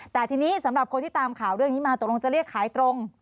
แต่ทีนี้สำหรับคนที่ตามข่าวเรื่องนี้มาตกลงจะเรียกขายตรง